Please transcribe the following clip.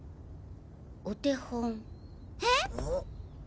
お手本。え？